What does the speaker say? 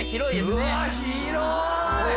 うわ広い。